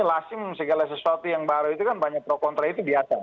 lasim segala sesuatu yang baru itu kan banyak pro kontra itu biasa